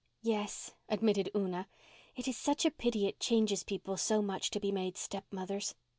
"Yes," admitted Una. "It is such a pity it changes people so much to be made stepmothers."